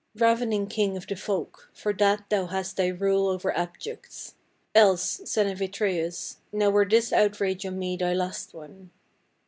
Ravening king of the folk, for that thou hast thy rule over abjects; Else, son of Atreus, now were this outrage on me thy last one.